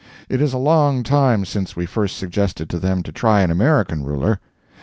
It is a long time since we first suggested to them to try an American ruler.